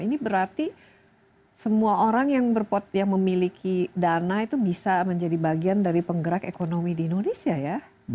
ini berarti semua orang yang memiliki dana itu bisa menjadi bagian dari penggerak ekonomi di indonesia ya